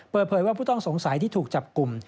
เปิดเผยว่าผู้ต้องสงสัยที่ถูกจับกลุ่ม